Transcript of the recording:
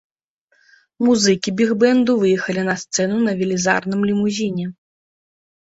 Музыкі біг-бэнду выехалі на сцэну на велізарным лімузіне.